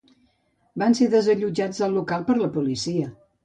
Van ser desallotjats del local per la policia.